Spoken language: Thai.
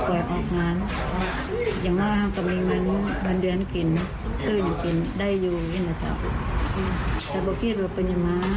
แต่บอกว่าที่รอบปริญญามากเร็วจะเนี่ย